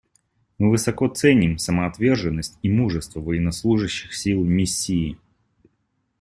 Мы высоко ценим самоотверженность и мужество военнослужащих сил Миссии.